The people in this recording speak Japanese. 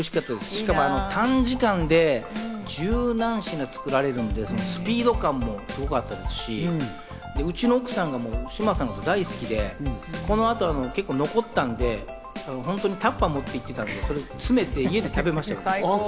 しかも短時間で十何品作られるんで、スピード感もすごかったですし、うちの奥さんが志麻さん大好きで、この後、結構残ったんで本当にタッパーを持っていってたんで、詰めて帰って家で食べました。